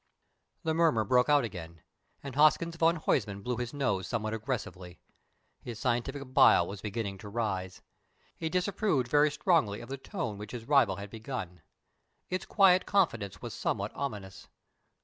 The murmur broke out again, and Hoskins van Huysman blew his nose somewhat aggressively. His scientific bile was beginning to rise. He disapproved very strongly of the tone which his rival had begun. Its quiet confidence was somewhat ominous.